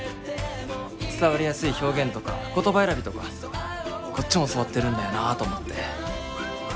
伝わりやすい表現とか言葉選びとかこっちも教わってるんだよなと思って。